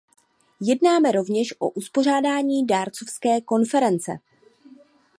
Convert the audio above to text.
Jednáme rovněž o uspořádání dárcovské konference.